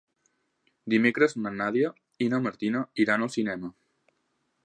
Dimecres na Nàdia i na Martina iran al cinema.